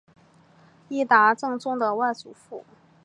伊达政宗的外祖父。